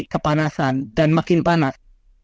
kepanasan dan makin panas